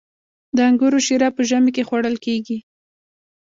د انګورو شیره په ژمي کې خوړل کیږي.